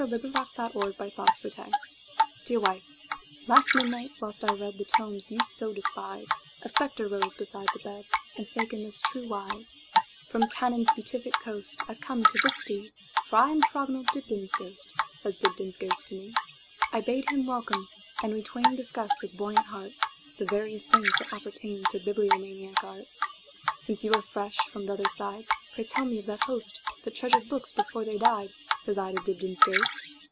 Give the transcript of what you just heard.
By EugeneField 1045 Dibdin's Ghost DEAR wife, last midnight, whilst I readThe tomes you so despise,A spectre rose beside the bed, And spake in this true wise:"From Canaan's beatific coastI 've come to visit thee, For I am Frognall Dibdin's ghost,"Says Dibdin's ghost to me.I bade him welcome, and we twainDiscussed with buoyant heartsThe various things that appertainTo bibliomaniac arts."Since you are fresh from t'other side, Pray tell me of that hostThat treasured books before they died,"Says I to Dibdin's ghost.